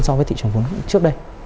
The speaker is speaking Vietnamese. so với thị trường vốn trước đây